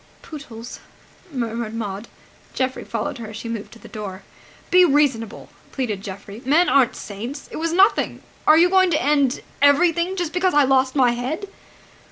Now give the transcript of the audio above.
"Pootles!" murmured Maud. Geoffrey followed her as she moved to the door. "Be reasonable!" pleaded Geoffrey. "Men aren't saints! It was nothing! ... Are you going to end ... everything ... just because I lost my head?"